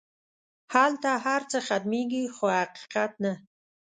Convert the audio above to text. هلته هر څه ختمېږي خو حقیقت نه.